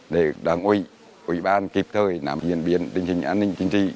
để đáng ủy ủy ban kịp thời nằm diễn biến tình hình an ninh chính trị